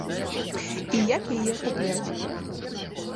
І як яе акупляць?